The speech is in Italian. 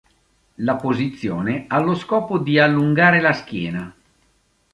La posizione ha lo scopo di allungare la schiena.